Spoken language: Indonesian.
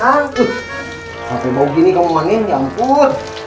sampe bau gini kamu mandiin ya ampun